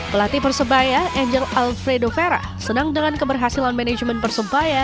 pelatih persebaya angel alfredo vera senang dengan keberhasilan manajemen persebaya